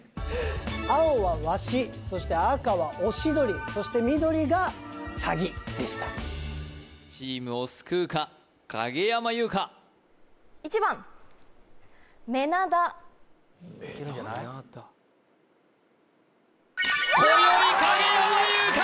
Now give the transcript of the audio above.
青はワシそして赤はオシドリそして緑がサギでしたチームを救うか影山優佳今宵影山優佳！